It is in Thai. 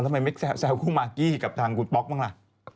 ทำไมไม่แซวคู่มากกี้กับทางคุณป๊อกบ้างล่ะ